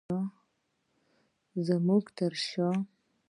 زمونږ تر شاه